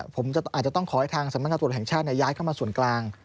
ผมอาจจะต้องขอให้ทางสำนักงานตรวจแห่งชาติย้ายเข้ามาส่วนกลาง